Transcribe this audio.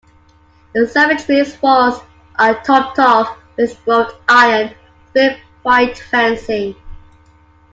The cemetery's walls are topped off with wrought iron spear point fencing.